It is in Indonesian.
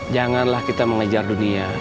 janganlah kita mengejar dunia